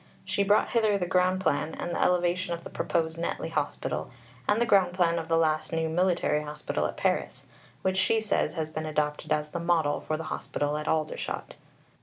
She brought hither the ground plan and elevation of the proposed Netley Hospital, and the ground plan of the last new Military Hospital at Paris, which she says has been adopted as the model for the Hospital at Aldershot."